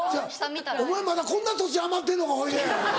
お前まだこんな土地余ってんのかほいで！